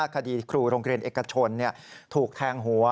คดีครูโรงเรียนเอกชนถูกแทงหัว